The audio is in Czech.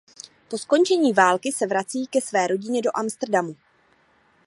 Po skončení války se vrací ke své rodině do Amsterdamu.